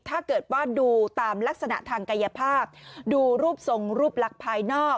ถ้าเกิดว่าดูตามลักษณะทางกายภาพดูรูปทรงรูปลักษณ์ภายนอก